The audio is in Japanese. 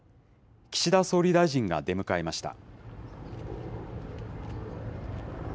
岸田総理大臣が出迎えました。